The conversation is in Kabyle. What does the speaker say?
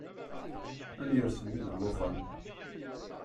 Ad n-yers mmi d llufan.